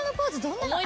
どんなの。